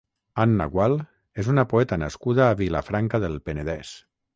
Anna Gual és una poeta nascuda a Vilafranca del Penedès.